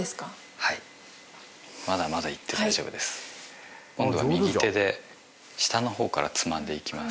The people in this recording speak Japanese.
はいまだまだいって大丈夫です今度は右手で下の方からつまんでいきます